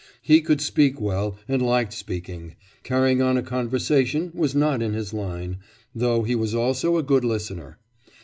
He could speak well and liked speaking; carrying on a conversation was not in his line, though he was also a good listener.